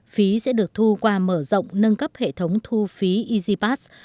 phí sẽ được thu qua mở rộng nâng cấp hệ thống thu phí easypass